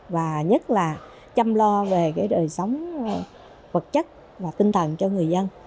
và nhất là chăm lo về đời sống vật chất và tinh thần cho người dân